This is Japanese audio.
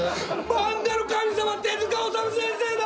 漫画の神様手塚治虫先生だ！